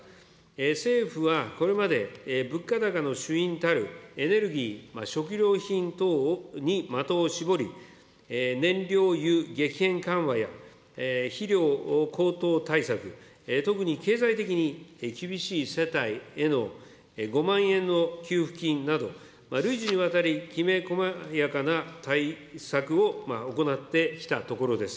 政府はこれまで物価高の主因たるエネルギー、食料品等に的を絞り、燃料油激変緩和や肥料高騰対策、特に経済的に厳しい世帯への５万円の給付金など、累次にわたり、きめ細やかな対策を行ってきたところです。